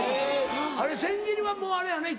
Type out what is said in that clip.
千切りはもうあれやね